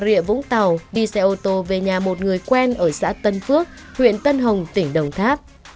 bà rịa vũng tàu đi xe ô tô về nhà một người quen ở xã tân phước huyện tân hồng tỉnh đồng tháp